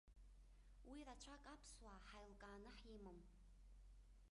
Уи рацәак аԥсуаа ҳаилкааны ҳимам.